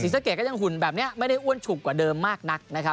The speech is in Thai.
ศีรษะเกดก็จะขุนแบบนี้ไม่ได้อ้วนฉุกกว่าเดิมมากนัก